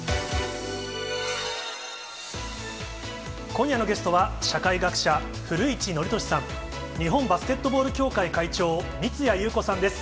今夜のゲストは、社会学者、古市憲寿さん、日本バスケットボール協会会長、三屋裕子さんです。